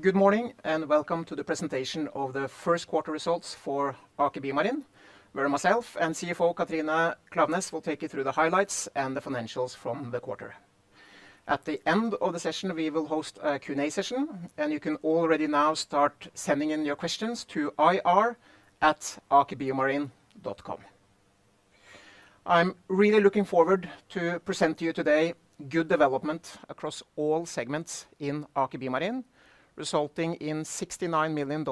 Good morning and welcome to the presentation of the first quarter results for Aker BioMarine, where myself and CFO Katrine Klaveness will take you through the highlights and the financials from the quarter. At the end of the session, we will host a Q&A session. You can already now start sending in your questions to ir@akerbiomarine.com. I'm really looking forward to present to you today good development across all segments in Aker BioMarine, resulting in $69 million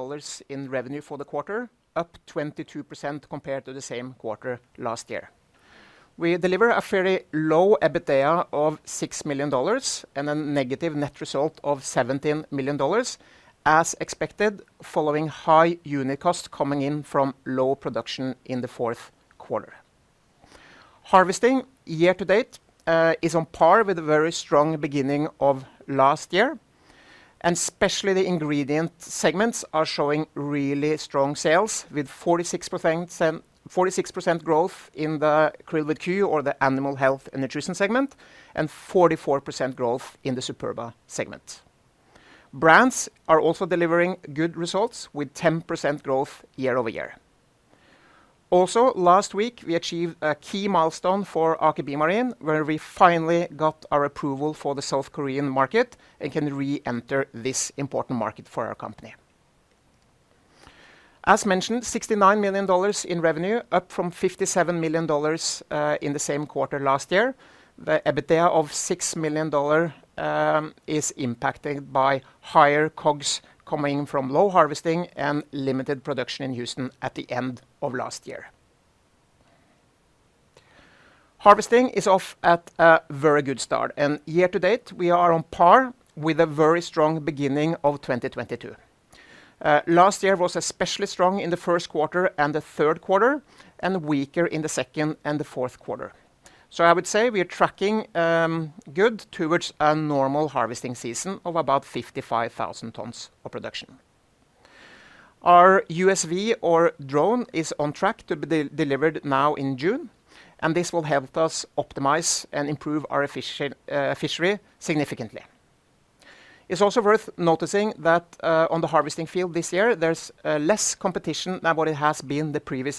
in revenue for the quarter, up 22% compared to the same quarter last year. We deliver a fairly low EBITDA of $6 million and a negative net result of $17 million, as expected, following high unit cost coming in from low production in the fourth quarter. Harvesting year-to-date is on par with a very strong beginning of last year. Especially the ingredient segments are showing really strong sales with 46% growth in the Krill with Q or the animal health and nutrition segment, and 44% growth in the Superba segment. Brands are also delivering good results with 10% growth year-over-year. Last week, we achieved a key milestone for Aker BioMarine, where we finally got our approval for the South Korean market and can re-enter this important market for our company. As mentioned, $69 million in revenue, up from $57 million in the same quarter last year. The EBITDA of $6 million is impacted by higher COGS coming from low harvesting and limited production in Houston at the end of last year. Harvesting is off at a very good start, and year-to-date we are on par with avery strong beginning of 2022. Last year was especially strong in the first quarter and the third quarter, and weaker in the second and the fourth quarter. I would say we are tracking good towards a normal harvesting season of about 55,000 tons of production. Our USV or drone is on track to be de-delivered now in June. This will help us optimize and improve our fishery significantly. It's also worth noticing that on the harvesting field this year, there's less competition than what it has been the previous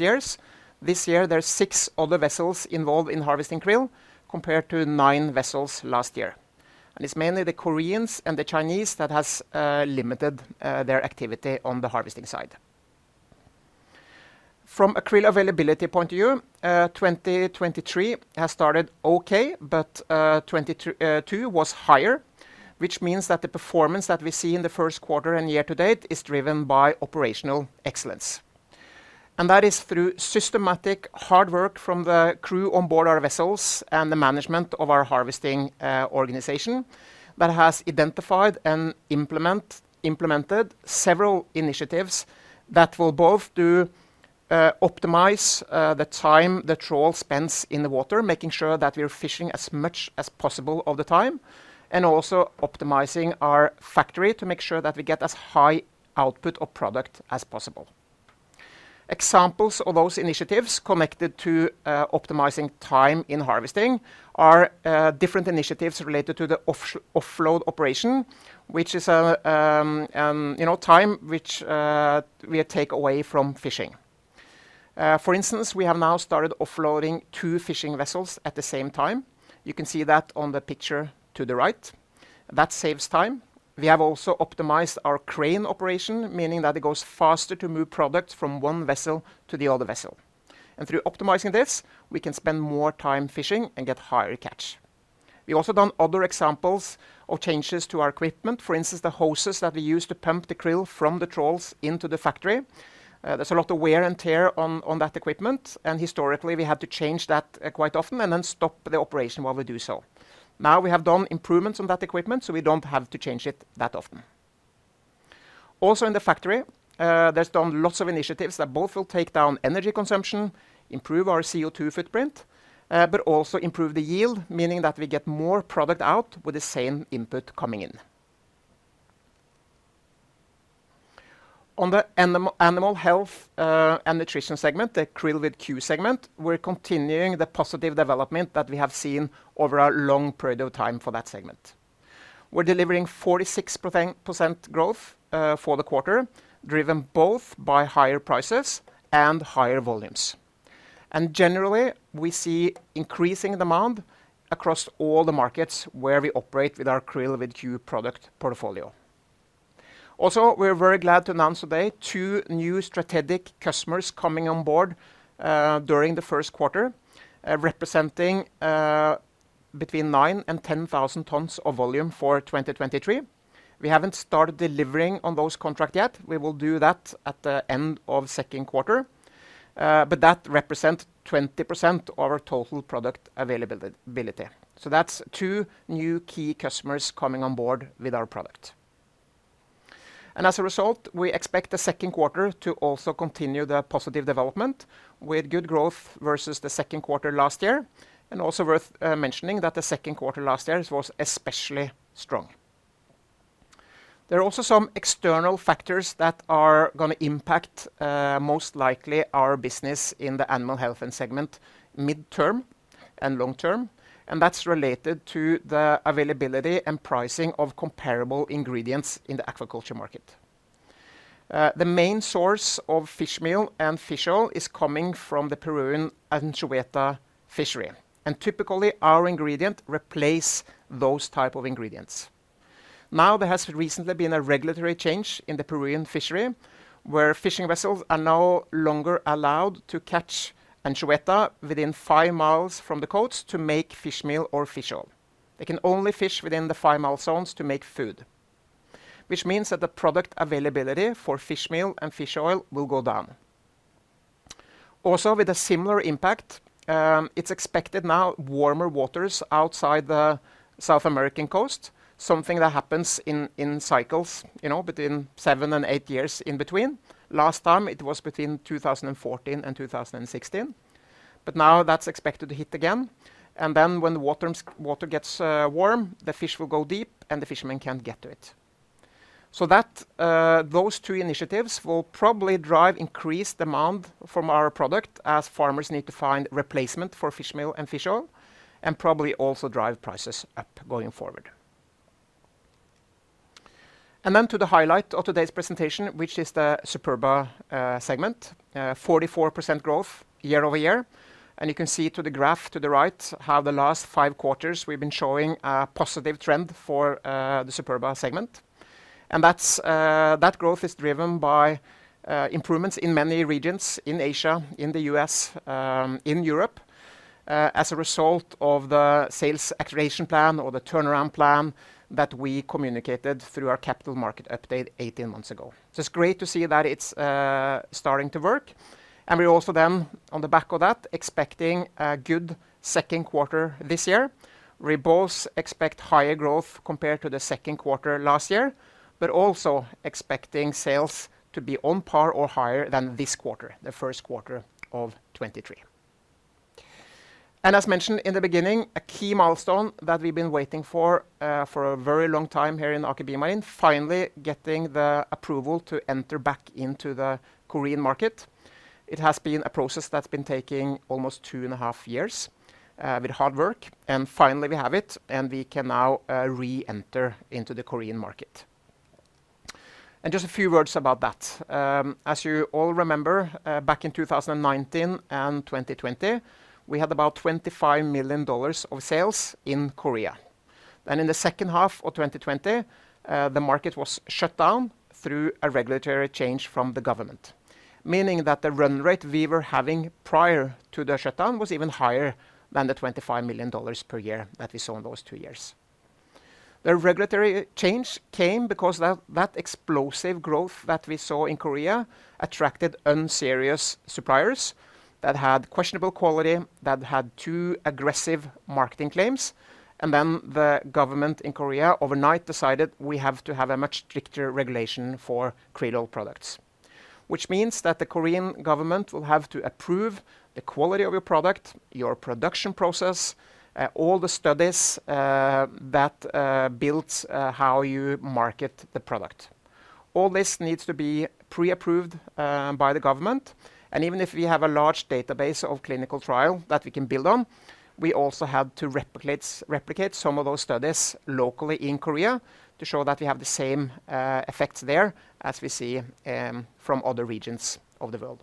years. This year there's six other vessels involved in harvesting krill, compared to nine vessels last year. It's mainly the Koreans and the Chinese that has limited their activity on the harvesting side. From a krill availability point of view, 2023 has started okay, but 2022 was higher, which means that the performance that we see in the first quarter and year to date is driven by operational excellence. That is through systematic hard work from thecrew on board our vessels and the management of our harvesting organization that has identified and implemented several initiatives that will both do optimize the time the trawl spends in the water, making sure that we are fishing as much as possible all the time, and also optimizing our factory to make sure that we get as high output of product as possible. Examples of those initiatives connected to optimizing time in harvesting are different initiatives related to the offload operation, which is a, you know, time, which we take away from fishing. For instance, we have now started offloading two fishing vessels at the same time. You can see that on the picture to the right. That saves time. We have also optimized our crane operation, meaning that it goes faster to move product from one vessel to the other vessel. Through optimizing this, we can spend more time fishing and get higher catch. We also done other examples of changes to our equipment. For instance, the hoses that we use to pump the krill from the trawls into the factory. There's a lot of wear and tear on that equipment. Historically we had to change that quite often and then stop the operation while we do so. Now we have done improvements on that equipment, so we don't have to change it that often. In the factory, there's done lots of initiatives that both will take down energy consumption, improve our CO2 footprint, but also improve the yield, meaning that we get more product out with the same input coming in. On the animal health and nutrition segment, the QRILL segment, we're continuing the positive development that we have seen over a long period of time for that segment. We're delivering 46% growth for the quarter, driven both by higher prices and higher volumes. Generally, we see increasing demand across all the markets where we operate with our krill with Q product portfolio. Also, we are very glad to announce today 2 new strategic customers coming on board during Q1, representing between 9,000-10,000 tons of volume for 2023. We haven't started delivering on those contract yet. We will do that at the end of Q2. But that represent 20% of our total product availability. That's two new key customers coming on board with our product. As a result, we expect Q2 to also continue the positive development with good growth versus Q2 last year. Also worth mentioning that Q2 last year was especially strong. There are also some external factors that are gonna impact, most likely our business in the animal health and segment midterm and long term, and that's related to the availability and pricing of comparable ingredients in the aquaculture market. The main source of fish meal and fish oil is coming from the Peruvian anchoveta fishery, and typically, our ingredient replace those type of ingredients. Now, there has recently been a regulatory change in the Peruvian fishery, where fishing vessels are no longer allowed to catch anchoveta within five miles from the coast to make fish meal or fish oil. They can only fish within the five mile zones to make food, which means that the product availability for fish meal and fish oil will go down. With a similar impact, it's expected now warmer waters outside the South American coast, something that happens in cycles, you know, between seven and eight years in between. Last time, it was between 2014 and 2016. Now that's expected to hit again, then when the water gets warm, the fish will go deep, and the fishermen can't get to it. That, those two initiatives will probably drive increased demand from our product as farmers need to find replacement for fish meal and fish oil and probably also drive prices up going forward. Then to the highlight of today's presentation, which is the Superba segment, 44% growth year-over-year. You can see to the graph to the right how the last five quarters we've been showing a positive trend for the Superba segment. That's that growth is driven by improvements in many regions in Asia, in the US, in Europe, as a result of the sales acceleration plan or the turnaround plan that we communicated through our capital market update 18 months ago. It's great to see that it's starting to work, and we're also then, on the back of that, expecting a good second quarter this year. We both expect higher growth compared to the second quarter last year but also expecting sales to be on par or higher than this quarter, the first quarter of 2023. As mentioned in the beginning, a key milestone that we've been waiting for a very long time here in Aker BioMarine, finally getting the approval to enter back into the Korean market. It has been a process that's been taking almost two and a half years, with hard work, and finally we have it, and we can now reenter into the Korean market. Just a few words about that. As you all remember, back in 2019 and 2020, we had about $25 million of sales in Korea. In the second half of 2020, the market was shut down through a regulatory change from the government, meaning that the run rate we were having prior to the shutdown was even higher than the $25 million per year that we saw in those two years. The regulatory change came because that explosive growth that we saw in Korea attracted unserious suppliers that had questionable quality, that had too-aggressive marketing claims. The government in Korea overnight decided we have to have a much stricter regulation for krill oil products, which means that the Korean government will have to approve the quality of your product, your production process, all the studies that builds how you market the product. All this needs to be pre-approved by the government. Even if you have a large database of clinical trial that we can build on, we also had to replicate some of those studies locally in Korea to show that we have the same effects there as we see from other regions of the world.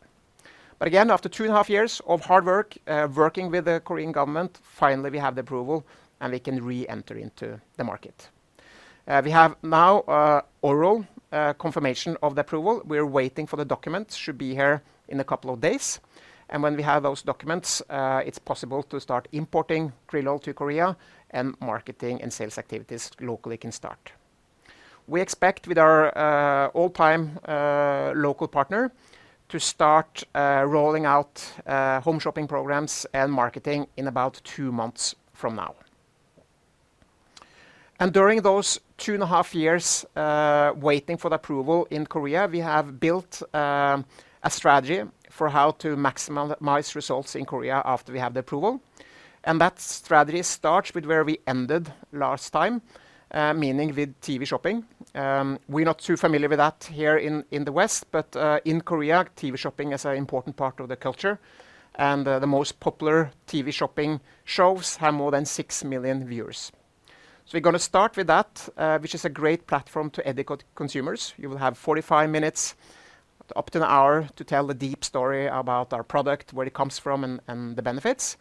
Again, after two and a half years of hard work, working with the Korean government, finally we have the approval, and we can reenter into the market. We have now a oral confirmation of the approval. We're waiting for the documents, should be here in a couple of days, and when we have those documents, it's possible to start importing krill oil to Korea and marketing and sales activities locally can start. We expect with our all-time local partner to start rolling out home shopping programs and marketing in about 2 months from now. During those two and a half years, waiting for the approval in Korea, we have built a strategy for how to maximize results in Korea after we have the approval. That strategy starts with where we ended last time, meaning with TV shopping. We're not too familiar with that here in the West, but in Korea, TV shopping is an important part of the culture, and the most popular TV shopping shows have more than 6 million viewers. We're gonna start with that, which is a great platform to educate consumers. You will have 45 minutes up to 1 hour to tell the deep story about our product, where it comes from and the benefits.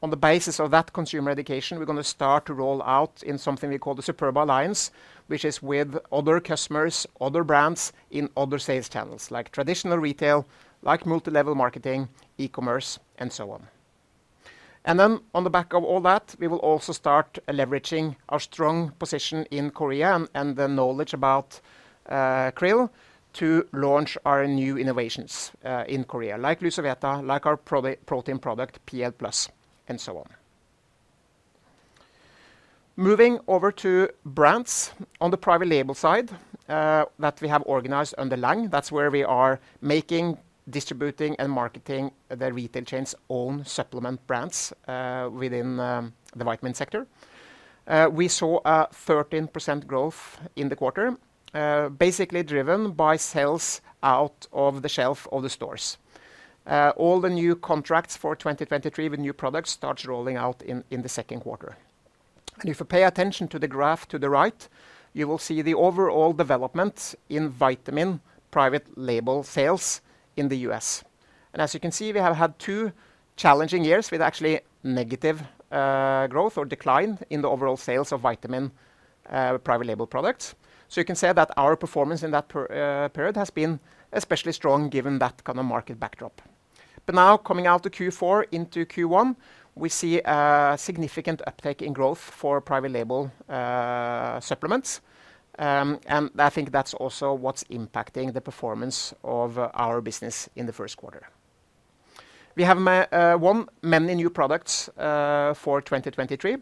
On the basis of that consumer education, we're gonna start to roll out in something we call the Superba Alliance, which is with other customers, other brands in other sales channels like traditional retail, like multi-level marketing, e-commerce, and so on. On the back of all that, we will also start leveraging our strong position in Korea and the knowledge about krill to launch our new innovations in Korea, like Lucovita, like our pro-protein product PL Plus, and so on. Moving over to brands on the private label side that we have organized under Lang. That's where we are making, distributing, and marketing the retail chain's own supplement brands within the vitamin sector. We saw a 13% growth in the quarter, basically driven by sales out of the shelf of the stores. All the new contracts for 2023 with new products starts rolling out in the second quarter. If you pay attention to the graph to the right, you will see the overall development in vitamin private label sales in the U.S. As you can see, we have had two challenging years with actually negative growth or decline in the overall sales of vitamin private label products. You can say that our performance in that period has been especially strong given that kind of market backdrop. Now coming out to Q4 into Q1, we see a significant uptake in growth for private label supplements. I think that's also what's impacting the performance of our business in the first quarter. We have won many new products for 2023,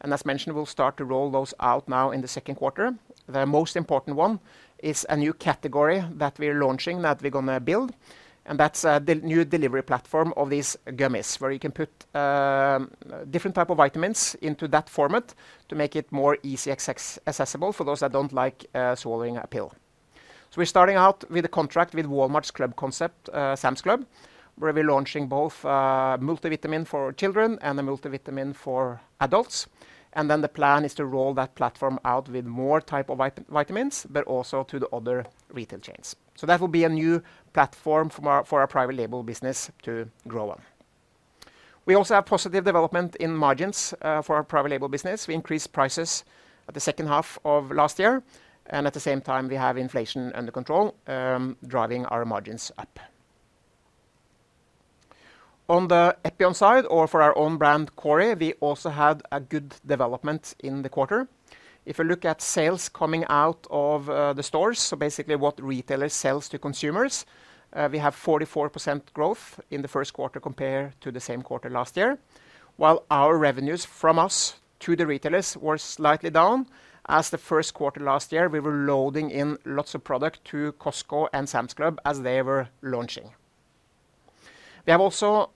and as mentioned, we'll start to roll those out now in the second quarter. The most important one is a new category that we're launching that we're gonna build, and that's a. new delivery platform of these gummies, where you can put different type of vitamins into that format to make it more easy accessible for those that don't like swallowing a pill. We're starting out with a contract with Walmart's Club Concept, Sam's Club, where we're launching both multivitamin for children and a multivitamin for adults. The plan is to roll that platform out with more type of vitamins, but also to the other retail chains. That will be a new platform for our private label business to grow on. We also have positive development in margins for our private label business. We increased prices at the 2nd half of last year, and at the same time, we have inflation under control, driving our margins up. On the Epion side, or for our own brand, Kori, we also had a good development in the quarter. If you look at sales coming out of the stores, so basically what retailers sells to consumers, we have 44% growth in the first quarter compared to the same quarter last year, while our revenues from us to the retailers were slightly down. As the first quarter last year, we were loading in lots of product to Costco and Sam's Club as they were launching. We have also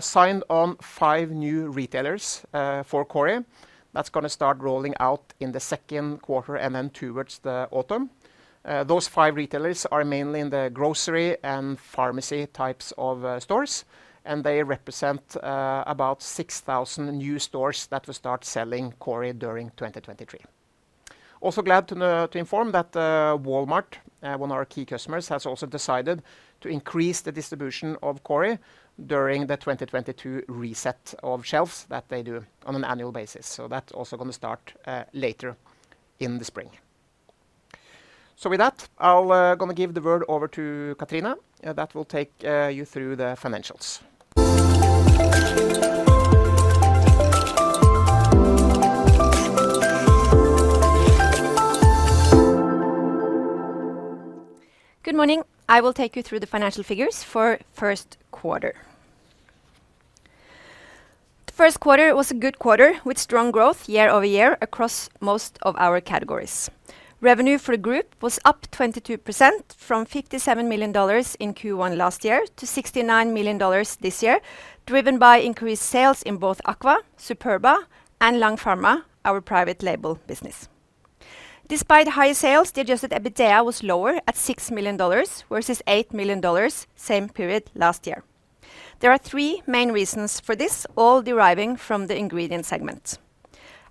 signed on five new retailers for Kori. That's gonna start rolling out in the second quarter and then towards the autumn. Those five retailers are mainly in the grocery and pharmacy types of stores, and they represent about 6,000 new stores that will start selling Kori during 2023. Also glad to to inform that Walmart, one of our key customers, has also decided to increase the distribution of Kori during the 2022 reset of shelves that they do on an annual basis. That's also gonna start later in the spring. With that, I'll gonna give the word over to Katrine that will take you through the financials. Good morning. I will take you through the financial figures for first quarter. The first quarter was a good quarter with strong growth year-over-year across most of our categories. Revenue for the group was up 22% from $57 million in Q1 last year to $69 million this year, driven by increased sales in both QRILL Aqua, Superba, and Lang Pharma, our private label business. Despite higher sales, the adjusted EBITDA was lower at $6 million versus $8 million same period last year. There are three main reasons for this all deriving from the ingredient segment: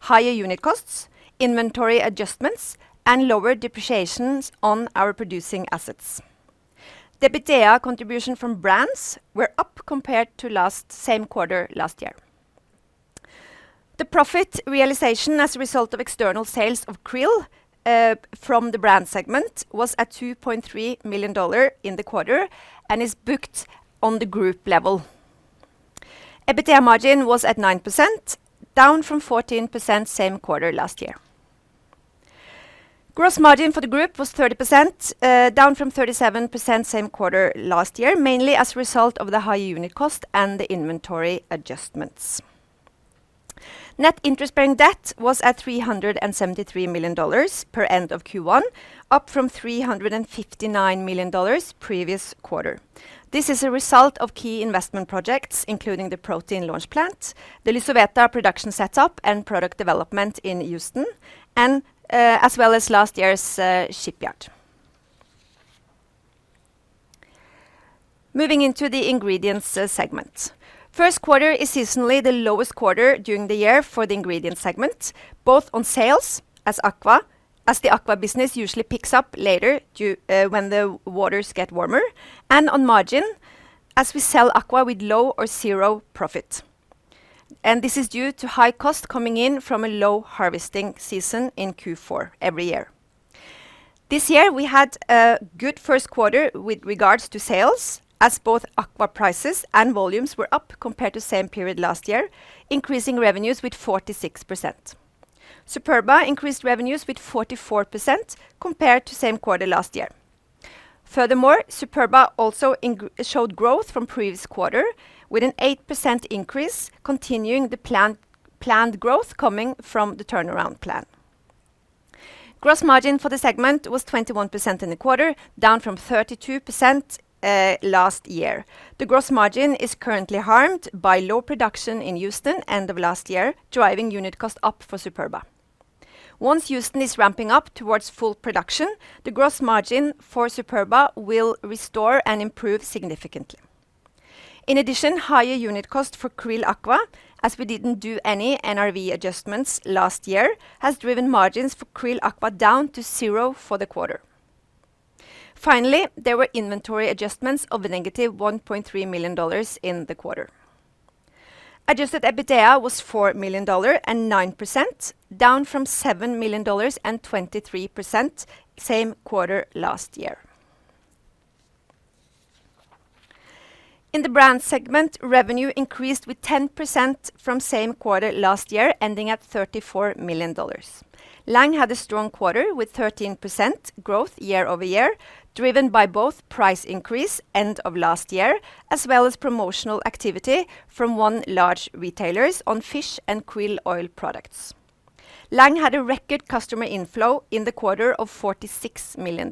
higher unit costs, inventory adjustments, and lower depreciations on our producing assets. The EBITDA contribution from brands were up compared to last same quarter last year. The profit realization as a result of external sales of krill, from the brand segment was at $2.3 million in the quarter and is booked on the group level. EBITDA margin was at 9%, down from 14% same quarter last year. Gross margin for the group was 30%, down from 37% same quarter last year, mainly as a result of the high unit cost and the inventory adjustments. Net interest-bearing debt was at $373 million per end of Q1, up from $359 million previous quarter. This is a result of key investment projects, including the protein launch plant, the LYSOVETA production setup, and product development in Houston, and as well as last year's shipyard. Moving into the ingredients segment. First quarter is seasonally the lowest quarter during the year for the ingredients segment, both on sales as QRILL Aqua, as the QRILL Aqua business usually picks up later due when the waters get warmer, and on margin as we sell QRILL Aqua with low or 0 profit. This is due to high cost coming in from a low harvesting season in Q4 every year. This year, we had a good first quarter with regards to sales as both QRILL Aqua prices and volumes were up compared to same period last year, increasing revenues with 46%. Superba increased revenues with 44% compared to same quarter last year. Furthermore, Superba also showed growth from previous quarter with an 8% increase, continuing the planned growth coming from the turnaround plan. Gross margin for the segment was 21% in the quarter, down from 32% last year. The gross margin is currently harmed by low production in Houston end of last year, driving unit cost up for Superba. Once Houston is ramping up towards full production, the gross margin for Superba will restore and improve significantly. In addition, higher unit cost for QRILL Aqua, as we didn't do any NRV adjustments last year, has driven margins for QRILL Aqua down to 0 for the quarter. There were inventory adjustments of negative $1.3 million in the quarter. Adjusted EBITDA was $4 million and 9%, down from $7 million and 23% same quarter last year. In the brand segment, revenue increased with 10% from same quarter last year, ending at $34 million. Lang had a strong quarter with 13% growth year-over-year, driven by both price increase end of last year, as well as promotional activity from one large retailers on fish and krill oil products. Lang had a record customer inflow in the quarter of $46 million.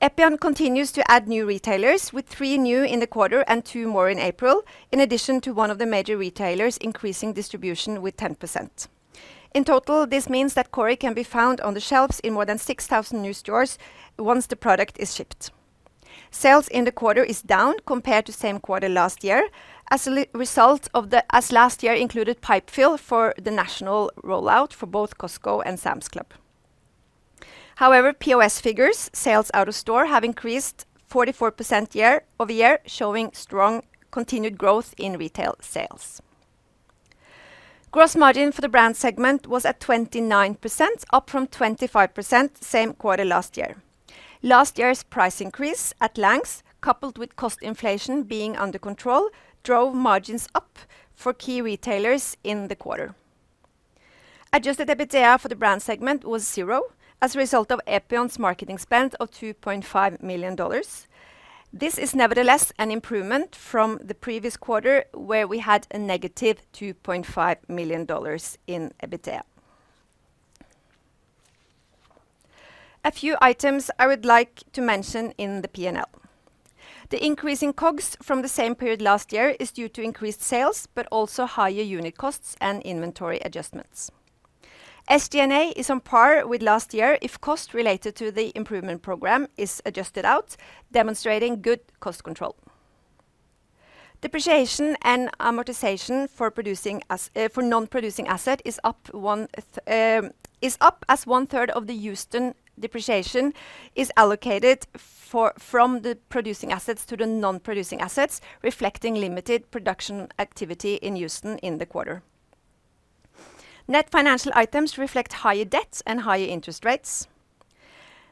Epion continues to add new retailers, with three new in the quarter and two more in April, in addition to one of the major retailers increasing distribution with 10%. In total, this means that Kori can be found on the shelves in more than 6,000 new stores once the product is shipped. Sales in the quarter is down compared to same quarter last year as a result of the as last year included pipe fill for the national rollout for both Costco and Sam's Club. POS figures, sales out of store, have increased 44% year-over-year, showing strong continued growth in retail sales. Gross margin for the brand segment was at 29%, up from 25% same quarter last year. Last year's price increase at Lang's, coupled with cost inflation being under control, drove margins up for key retailers in the quarter. Adjusted EBITDA for the brand segment was zero as a result of Epion's marketing spend of $2.5 million. This is nevertheless an improvement from the previous quarter where we had a negative $2.5 million in EBITDA. A few items I would like to mention in the P&L. The increase in COGS from the same period last year is due to increased sales, also higher unit costs and inventory adjustments. SG&A is on par with last year if cost related to the improvement program is adjusted out, demonstrating good cost control. Depreciation and amortization for non-producing asset is up as one-third of the Houston depreciation is allocated from the producing assets to the non-producing assets, reflecting limited production activity in Houston in the quarter. Net financial items reflect higher debt and higher interest rates.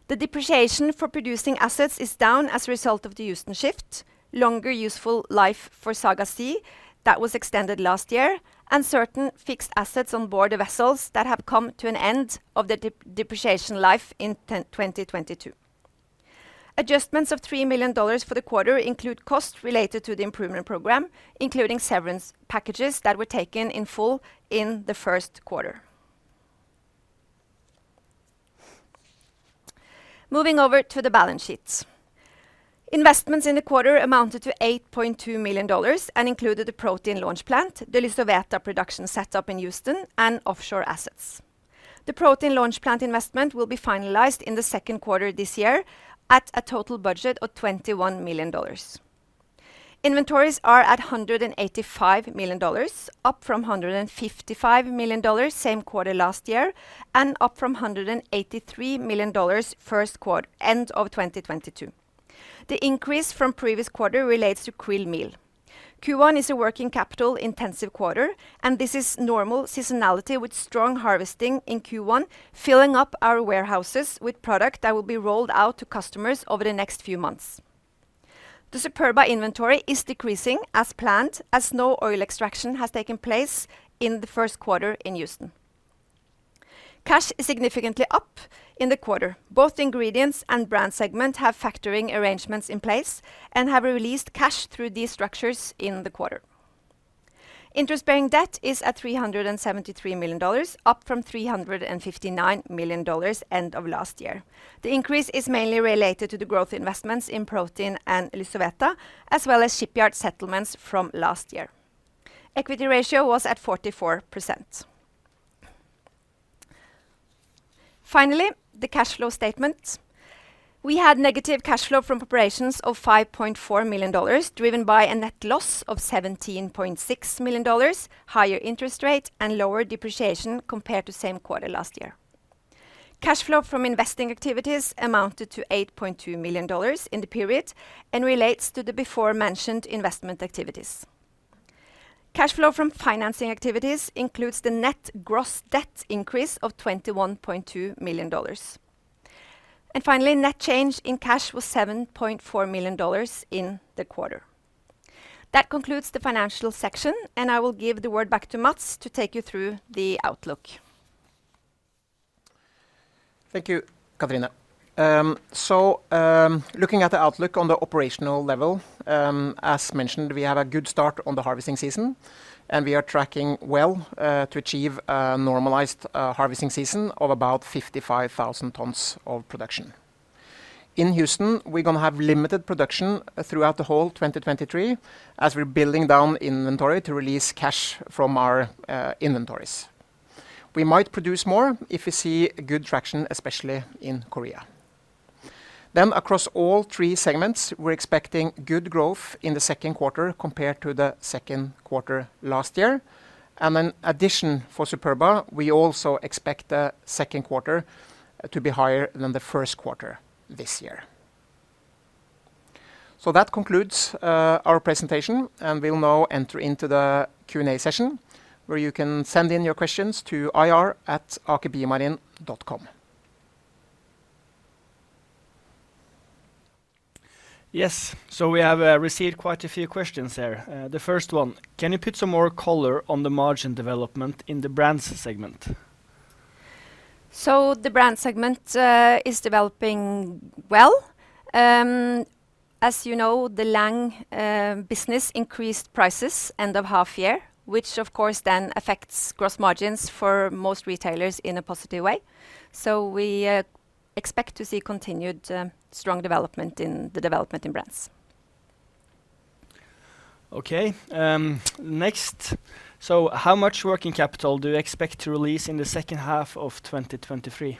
The depreciation for producing assets is down as a result of the Houston shift, longer useful life for Saga C that was extended last year, and certain fixed assets on board the vessels that have come to an end of their depreciation life in 2022. Adjustments of $3 million for the quarter include costs related to the improvement program, including severance packages that were taken in full in the first quarter. Moving over to the balance sheet. Investments in the quarter amounted to $8.2 million and included the protein launch plant, the LYSOVETA production set up in Houston, and offshore assets. The protein launch plant investment will be finalized in the second quarter this year at a total budget of $21 million. Inventories are at $185 million, up from $155 million same quarter last year, and up from $183 million end of 2022. The increase from previous quarter relates to krill meal. Q1 is a working capital intensive quarter, and this is normal seasonality with strong harvesting in Q1, filling up our warehouses with product that will be rolled out to customers over the next few months. The Superba inventory is decreasing as planned as no oil extraction has taken place in the first quarter in Houston. Cash is significantly up in the quarter. Both ingredients and brand segment have factoring arrangements in place and have released cash through these structures in the quarter. Interest-bearing debt is at $373 million, up from $359 million end of last year. The increase is mainly related to the growth investments in protein and LYSOVETA, as well as shipyard settlements from last year. Equity ratio was at 44%. Finally, the cash flow statement. We had negative cash flow from preparations of $5.4 million, driven by a net loss of $17.6 million, higher interest rate, and lower depreciation compared to same quarter last year. Cash flow from investing activities amounted to $8.2 million in the period and relates to the before mentioned investment activities. Cash flow from financing activities includes the net gross debt increase of $21.2 million. Finally, net change in cash was $7.4 million in the quarter. That concludes the financial section, and I will give the word back to Matts to take you through the outlook. Thank you, Katrine. Looking at the outlook on the operational level. As mentioned, we had a good start on the harvesting season, and we are tracking well to achieve a normalized harvesting season of about 55,000 tons of production. In Houston, we're gonna have limited production throughout the whole 2023 as we're building down inventory to release cash from our inventories. We might produce more if we see good traction, especially in Korea.Across all three segments, we're expecting good growth in the second quarter compared to the second quarter last year. In addition for Superba, we also expect the second quarter to be higher than the first quarter this year. That concludes our presentation, and we'll now enter into the Q&A session, where you can send in your questions to ir@akerbiomarine.com. Yes. We have received quite a few questions here. The first one: Can you put some more color on the margin development in the brands segment? The brand segment is developing well. As you know, the Lang business increased prices end of half year, which of course then affects gross margins for most retailers in a positive way. We expect to see continued strong development in brands. Okay. next. How much working capital do you expect to release in the second half of 2023?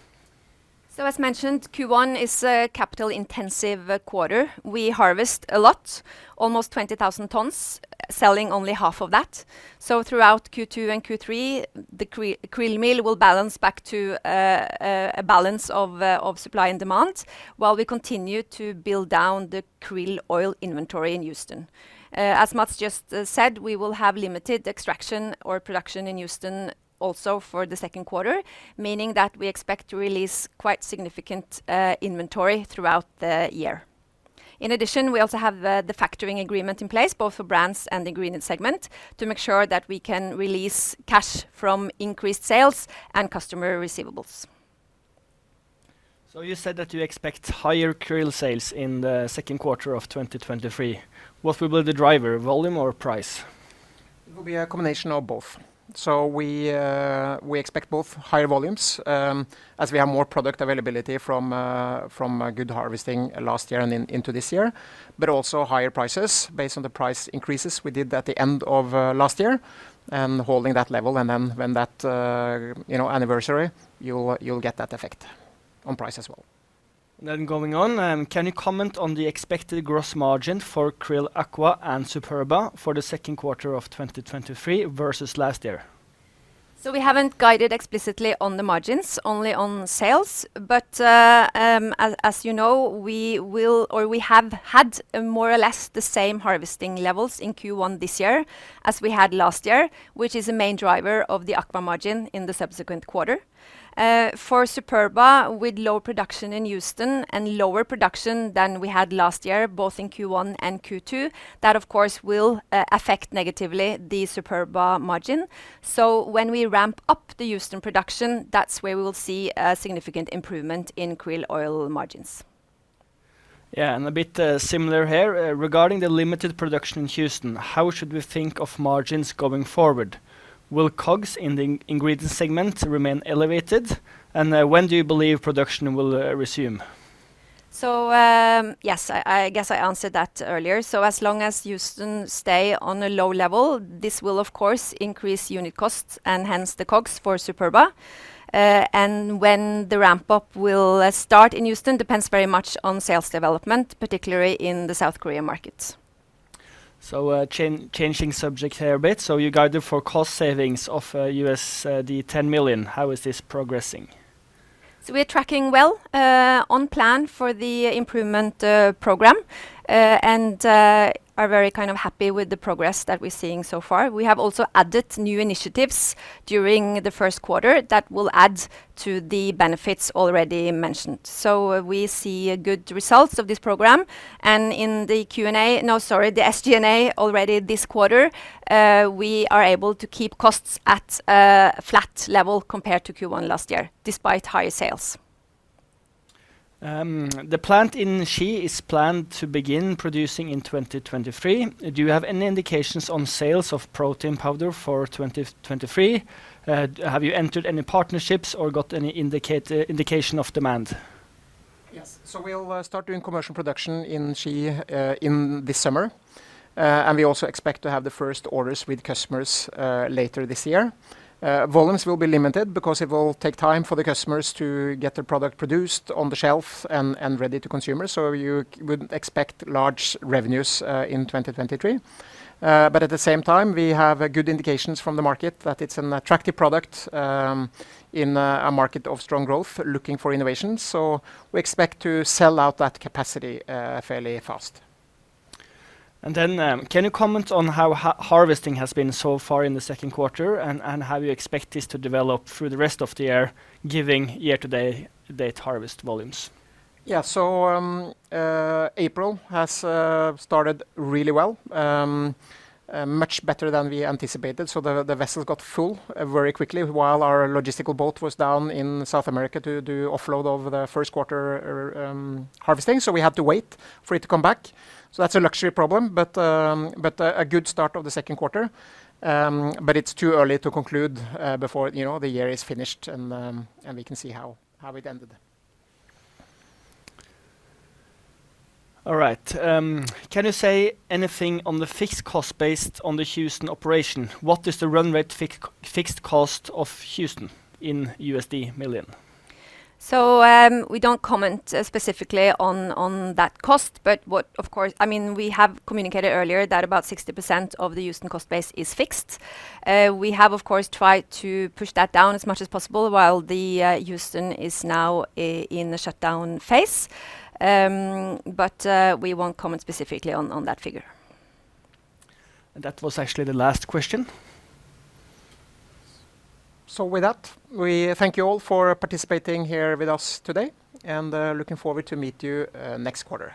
As mentioned, Q1 is a capital-intensive quarter. We harvest a lot, almost 20,000 tons, selling only half of that. Throughout Q2 and Q3, the krill meal will balance back to a balance of supply and demand while we continue to build down the krill oil inventory in Houston. As Matts just said, we will have limited extraction or production in Houston also for the second quarter, meaning that we expect to release quite significant inventory throughout the year. In addition, we also have the factoring agreement in place both for brands and ingredient segment to make sure that we can release cash from increased sales and customer receivables. You said that you expect higher krill sales in the second quarter of 2023? What will be the driver, volume or price? It will be a combination of both. We expect both higher volumes, as we have more product availability from, good harvesting last year and into this year. Also higher prices based on the price increases we did at the end of, last year and holding that level and then when that, you know, anniversary, you'll get that effect on price as well. going on. Can you comment on the expected gross margin for QRILL Aqua and Superba for the second quarter of 2023 versus last year? We haven't guided explicitly on the margins, only on sales. As you know, we will or we have had more or less the same harvesting levels in Q1 this year as we had last year, which is a main driver of the Aquad margin in the subsequent quarter. For Superba, with low production in Houston and lower production than we had last year, both in Q1 and Q2, that of course will affect negatively the Superba margin. When we ramp up the Houston production, that's where we will see a significant improvement in krill oil margins. Yeah, and a bit similar here. Regarding the limited production in Houston, how should we think of margins going forward? Will COGS in the ingredient segment remain elevated? When do you believe production will resume? Yes, I guess I answered that earlier. As long as Houston stay on a low level, this will of course increase unit costs and hence the COGS for Superba. When the ramp-up will start in Houston depends very much on sales development, particularly in the South Korea markets. Changing subject here a bit. You guided for cost savings of $10 million. How is this progressing? We are tracking well, on plan for the improvement, program, and are very kind of happy with the progress that we're seeing so far. We have also added new initiatives during the first quarter that will add to the benefits already mentioned. We see good results of this program. The SG&A already this quarter, we are able to keep costs at a flat level compared to Q1 last year, despite higher sales. The plant in Ski is planned to begin producing in 2023. Do you have any indications on sales of protein powder for 2023? Have you entered any partnerships or got any indication of demand? We'll start doing commercial production in Ski in the summer. We also expect to have the first orders with customers later this year. Volumes will be limited because it will take time for the customers to get their product produced on the shelf and ready to consumers, so you wouldn't expect large revenues in 2023.At the same time, we have good indications from the market that it's an attractive product, in a market of strong growth looking for innovation. We expect to sell out that capacity fairly fast. Can you comment on how harvesting has been so far in the second quarter and how you expect this to develop through the rest of the year, giving year-to-date harvest volumes? April has started really well, much better than we anticipated. The vessels got full very quickly while our logistical boat was down in South America to do offload of the first quarter harvesting. We had to wait for it to come back. That's a luxury problem, but a good start of the second quarter. It's too early to conclude, before, you know, the year is finished and we can see how it ended. All right. Can you say anything on the fixed cost based on the Houston operation? What is the run rate fixed cost of Houston in USD million? We don't comment specifically on that cost, but I mean, we have communicated earlier that about 60% of the Houston cost base is fixed. We have, of course, tried to push that down as much as possible while the Houston is now in the shutdown phase. We won't comment specifically on that figure. That was actually the last question. With that, we thank you all for participating here with us today and looking forward to meet you next quarter.